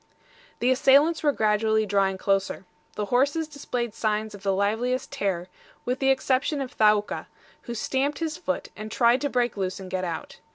The assailants were gradually drawing closer. The horses displayed signs of the liveliest terror, with the exception of Thaouka, who stamped his foot, and tried to break loose and get out.